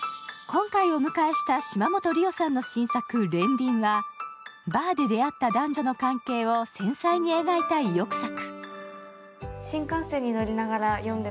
今回お迎えした島本理生さんの新作「憐憫」はバーで出会った男女の関係を繊細に描いた意欲作。